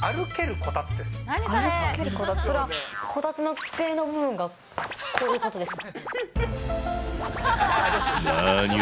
こたつの机の部分がこういうことですか？